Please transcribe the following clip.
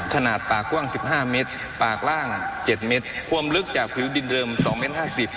ขนาดปากกว้างสิบห้าเมตรปากล่างเจ็ดเมตรความลึกจากผิวดินเดิมสองเมตรห้าสิบ